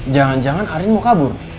jangan jangan arin mau kabur